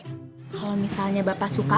kalau misalnya bapak suka